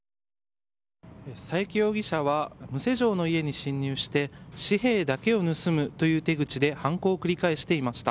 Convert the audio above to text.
佐伯容疑者は無施錠の家に侵入して紙幣だけを盗むという手口で犯行を繰り返していました。